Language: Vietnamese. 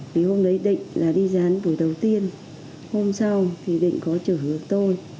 vì hôm đấy định là đi dán buổi đầu tiên hôm sau thì định có trở hứa tôi